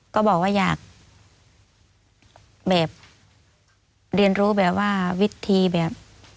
ก็บอกว่าอยากแบบเรียนรู้แบบว่าวิธีแบบ